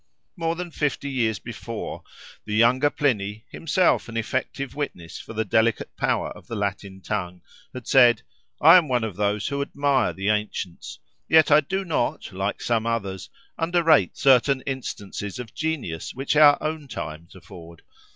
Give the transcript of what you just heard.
More than fifty years before, the younger Pliny, himself an effective witness for the delicate power of the Latin tongue, had said,—"I am one of those who admire the ancients, yet I do not, like some others, underrate certain instances of genius which our own times afford.